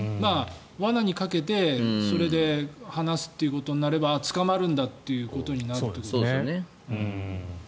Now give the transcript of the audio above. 罠にかけてそれで放すということになれば捕まるんだということになるということですよね。